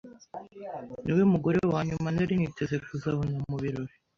Niwe mugore wanyuma nari niteze kuzabona mubirori.